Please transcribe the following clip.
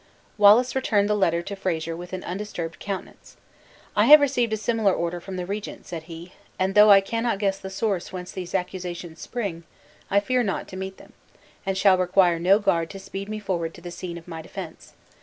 Wallace returned the letter to Fraser with an undisturbed countenance. "I have received a similar order from the regent," said he; "and though I cannot guess the source whence these accusations spring, I fear not to meet them, and shall require no guard to speed me forward to the scene of my defense.